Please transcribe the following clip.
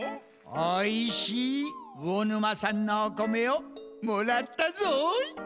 おいしい魚沼産のおこめをもらったぞい。